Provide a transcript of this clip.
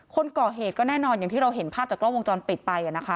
คนก่อเหตุก็แน่นอนอย่างที่เราเห็นภาพจากกล้องวงจรปิดไปนะคะ